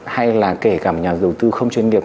hay là kể cả nhà đầu tư không chuyên nghiệp